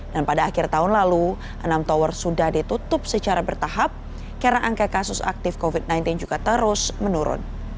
dan pada akhir tahun lalu enam tower sudah ditutup secara bertahap karena angka kasus aktif covid sembilan belas juga terus menurun